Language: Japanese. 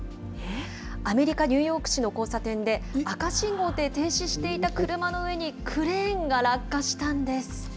アメリカ・ニューヨーク市の交差点で、赤信号で停止していた車の上に、クレーンが落下したんです。